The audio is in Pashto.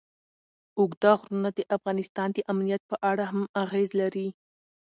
اوږده غرونه د افغانستان د امنیت په اړه هم اغېز لري.